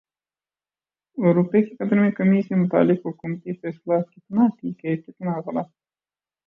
روپے کی قدر میں کمی سے متعلق حکومتی فیصلہ کتنا ٹھیک کتنا غلط